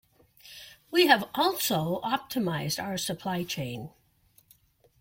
We have also optimised our supply chain.